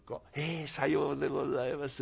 「ええさようでございます。